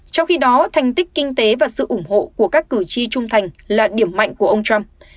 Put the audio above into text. trong khi đó thành tích kinh tế và sự ủng hộ của các cử tri trung thành là điểm mạnh của ông trump